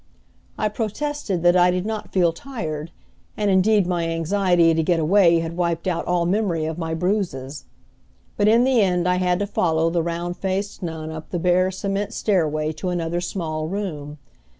I protested that I did not feel tired, and indeed my anxiety to get away had wiped out all memory of my bruises. But in the end I had to follow the round faced nun up the bare, cement stairway to another small room.